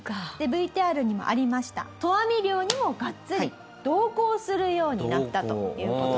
ＶＴＲにもありました投網漁にもガッツリ同行するようになったという事なんです。